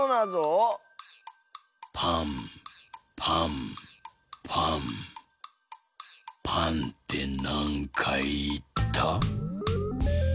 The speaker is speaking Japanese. パンパンパンパンってなんかいいった？